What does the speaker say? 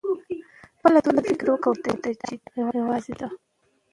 یوازیتوب کمېږي.